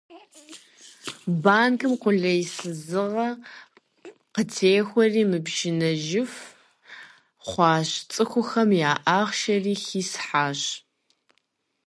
Банкым къулейсызыгъэ къытехуэри мыпшынэжыф хъуащ, цӏыхухэм я ахъшэхэри хисхьащ.